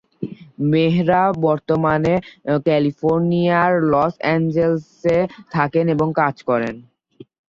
মেহরা বর্তমানে ক্যালিফোর্নিয়ার লস অ্যাঞ্জেলেসে থাকেন এবং কাজ করেন।